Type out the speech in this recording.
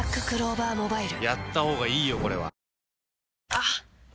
あっ！